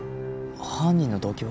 犯人の動機は？